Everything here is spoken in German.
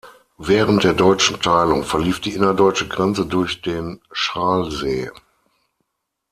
Während der deutschen Teilung verlief die innerdeutsche Grenze durch den Schaalsee.